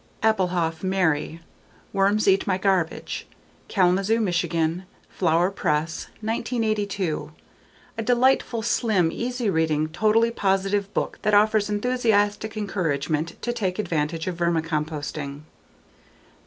Appelhof, Mary. Worms Eat My Garbage. Kalamazoo, Michigan: Flower Press, 1982. A delightful, slim, easy reading, totally positive book that offers enthusiastic encouragement to take advantage of vermicomposting.